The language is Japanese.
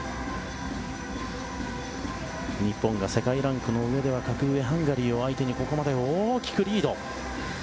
日本が世界ランクの上では格上のハンガリーを相手にここまで大きくリード。